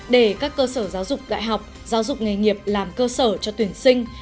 để các cơ sở giáo dục đại học giáo dục nghề nghiệp làm cơ sở cho tuyển sinh